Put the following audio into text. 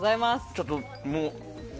ちょっともう。